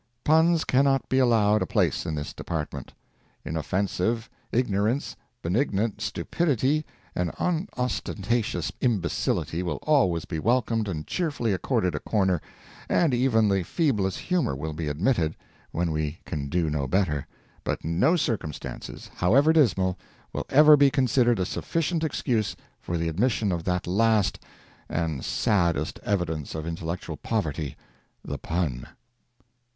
Puns cannot be allowed a place in this department. Inoffensive ignorance, benignant stupidity, and unostentatious imbecility will always be welcomed and cheerfully accorded a corner, and even the feeblest humour will be admitted, when we can do no better; but no circumstances, however dismal, will ever be considered a sufficient excuse for the admission of that last and saddest evidence of intellectual poverty, the Pun.